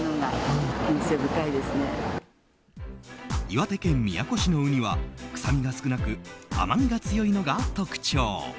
岩手県宮古市の海は臭みが少なく甘みが強いのが特徴。